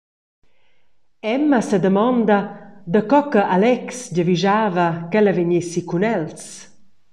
Emma sedamonda daco che Alex giavischava ch’ella vegnessi cun els.